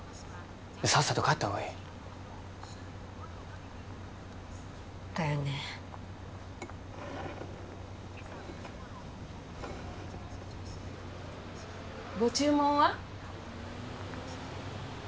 さっさと帰った方がいいだよねご注文は？